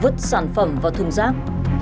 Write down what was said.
vứt sản phẩm vào thương giác